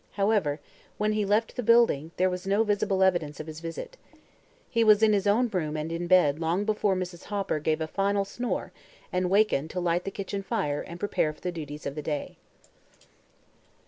However, when he left the building there was no visible evidence of his visit. He was in his own room and in bed long before Mrs. Hopper gave a final snore and wakened to light the kitchen fire and prepare for the duties of the day.